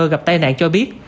gặp tai nạn cho biết